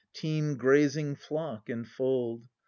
Teem grazing flock and fold.